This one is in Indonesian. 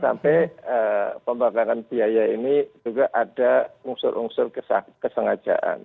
sampai pembakaran biaya ini juga ada unsur unsur kesengajaan